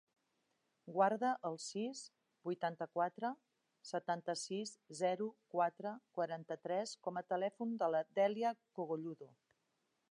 Guarda el sis, vuitanta-quatre, setanta-sis, zero, quatre, quaranta-tres com a telèfon de la Dèlia Cogolludo.